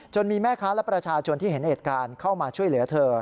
มีแม่ค้าและประชาชนที่เห็นเหตุการณ์เข้ามาช่วยเหลือเธอ